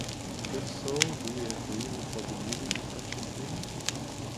If so, do we have reason for believing in such a thing?